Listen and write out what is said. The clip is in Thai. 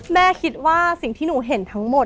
แม่คิดว่าสิ่งที่หนูเห็นทั้งหมด